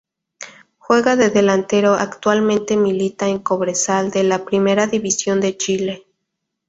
Juega de delantero actualmente milita en Cobresal, de la Primera División de Chile.